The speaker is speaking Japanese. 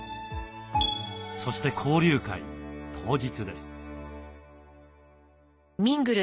そして交流会当日です。